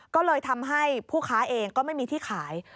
ก็เลยทำให้ผู้ค้าเองก็ไม่มีที่ขาย